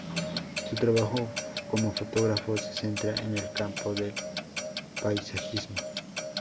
Su trabajo como fotógrafo se centra en el campo del paisajismo.